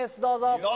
どうぞ。